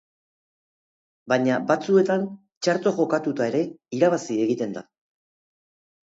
Baina batzuetan txarto jokatuta ere irabazi egiten da.